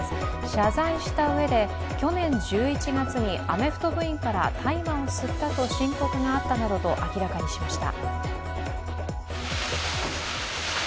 謝罪したうえで、去年１１月にアメフト部員から大麻を吸ったと申告があったなどと明らかにしました。